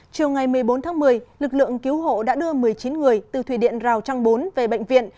chiều ngày một mươi bốn tháng một mươi lực lượng cứu hộ đã đưa một mươi chín người từ thủy điện rào trăng bốn về bệnh viện